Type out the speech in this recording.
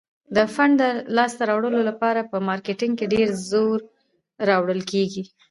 د فنډ د لاس ته راوړلو لپاره په مارکیټینګ ډیر زور راوړل کیږي.